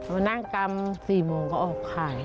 วันนั่งกรรม๔โมงเขาออกขาย